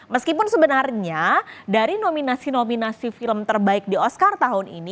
meskipun sebenarnya dari nominasi nominasi film terbaik di oscar tahun ini